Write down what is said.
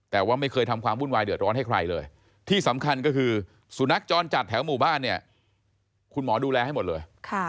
แต่ว่าไม่เคยทำความวุ่นวายเดือดร้อนให้ใครเลยที่สำคัญก็คือสุนัขจรจัดแถวหมู่บ้านเนี่ยคุณหมอดูแลให้หมดเลย